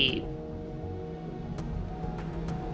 ya ditanya tanya sama mama